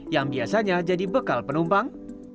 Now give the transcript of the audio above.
yang biasanya jadi bekal penumpang